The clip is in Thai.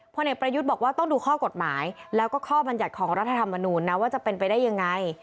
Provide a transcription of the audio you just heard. เอกประยุทธ์บอกว่าต้องดูข้อกฎหมายแล้วก็ข้อบรรยัติของรัฐธรรมนูญนะว่าจะเป็นไปได้ยังไง